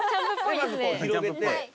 まずこう広げて。